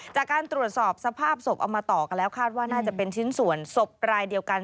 จากการตรวจสอบสภาพศพเอามาต่อกันแล้วคาดว่าน่าจะเป็นชิ้นส่วนศพรายเดียวกัน